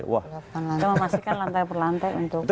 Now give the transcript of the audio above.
anda memastikan lantai per lantai untuk